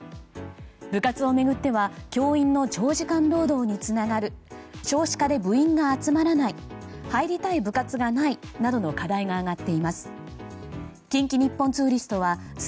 部活を巡っては教員の長時間労働につながる少子化で部員が集まらない入りたい部活がないなどの課題が挙がっています。